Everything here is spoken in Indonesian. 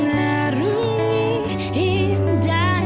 pak ini pak